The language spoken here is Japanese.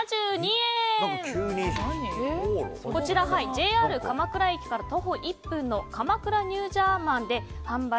こちらＪＲ鎌倉駅から徒歩１分の鎌倉ニュージャーマンで販売。